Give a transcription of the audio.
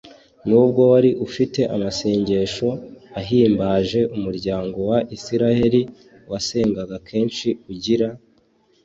nubwo wari ufite amasengesho ahimbaje umuryango wa isiraheli wasengaga kenshi ugira